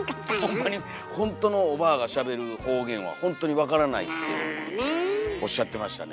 ほんまにほんとのおばぁがしゃべる方言はほんとに分からないっておっしゃってましたね。